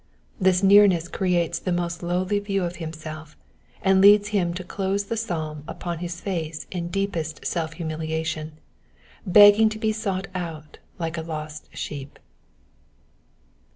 This nearness creates the most lowly view of himself, and leads him to close the psalm upon his face in deepest self humiliation, begging to be sought out like a lost sheep.